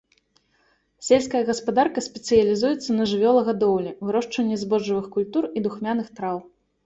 Сельская гаспадарка спецыялізуецца на жывёлагадоўлі, вырошчванні збожжавых культур і духмяных траў.